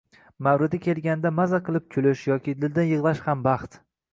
Mavridi kelganida maza qilib kulish yoki dildan yig‘lash ham baxt.